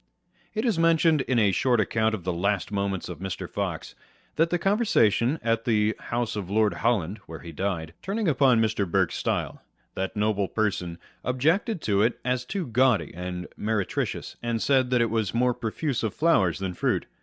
It is mentioned in a short account of the Last Moments of Mr. Fox, that the conversation at the house of Lord Holland (where he died) turning upon Mr. Burke's style, that Noble Person objected to it as too gaudy and mere tricious, and said that it was more profuse of flowers than fruit.